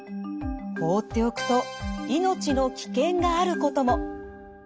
放っておくと命の危険があることも。